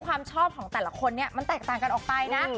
ความชอบของแต่ละคนเนี่ยมันแตกต่างกันออกไปนะ